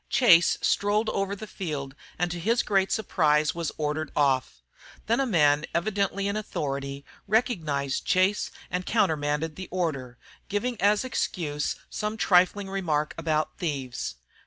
Chase strolled over the field and to his great surprise was ordered off. Then a man evidently in authority recognized Chase and countermanded the order, giving as excuse some trifling remark about thieves.